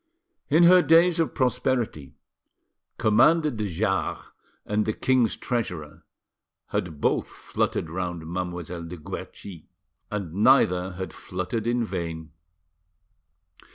In her days of prosperity Commander de Jars and the king's treasurer had both fluttered round Mademoiselle de Guerchi, and neither had fluttered in vain.